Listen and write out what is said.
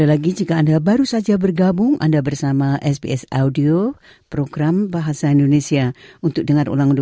anda bersama sbs bahasa indonesia